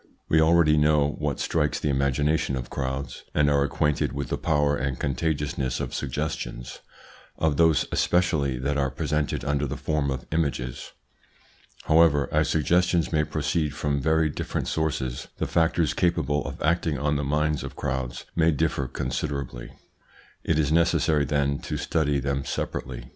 We already know what strikes the imagination of crowds, and are acquainted with the power and contagiousness of suggestions, of those especially that are presented under the form of images. However, as suggestions may proceed from very different sources, the factors capable of acting on the minds of crowds may differ considerably. It is necessary, then, to study them separately.